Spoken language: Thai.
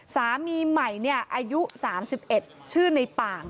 สามีใหม่อายุ๓๑ชื่อในป่าง